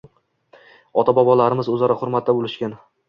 Ota-bobolarimiz o‘zaro hurmatda bo‘lishgan.